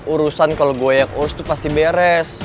urusan kalau gue yang urus tuh pasti beres